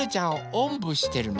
おんぶしてるの？